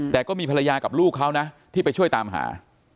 แต่ก็มีภรรยากับลูกเขานะที่ไปช่วยตามหา